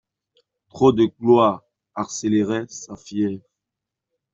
Trop de gloire accélérait sa fièvre.